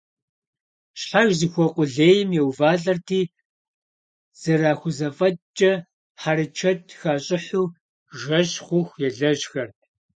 Щхьэж зыхуэкъулейм еувалӀэрти, зэрахузэфӀэкӀкӀэ, хьэрычэт хащӀыхьу, жэщ хъуху елэжьхэрт.